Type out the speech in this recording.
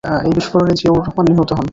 এই বিস্ফোরণে জিয়াউর রহমান নিহত হন।